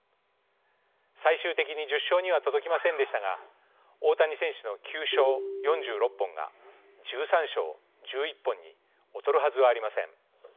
最終的に１０勝には届きませんでしたが大谷選手の「９勝４６本」が「１３勝１１本」に劣るはずはありません。